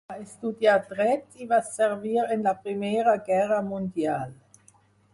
Va estudiar Dret i va servir en la Primera Guerra Mundial.